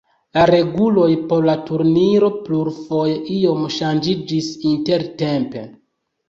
La reguloj por la turniro plurfoje iom ŝanĝiĝis intertempe.